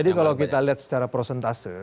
jadi kalau kita lihat secara prosentase